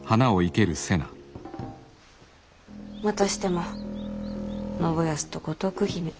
またしても信康と五徳姫。